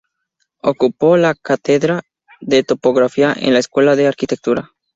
Ocupó la cátedra de Topografía en la Escuela de Arquitectura.